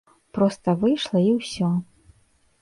Проста выйшла і ўсё.